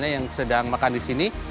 yang sedang makan di sini